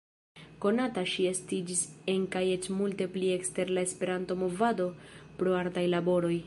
Konata ŝi estiĝis en kaj eĉ multe pli ekster la Esperanto-movado pro artaj laboroj.